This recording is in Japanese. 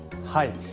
はい。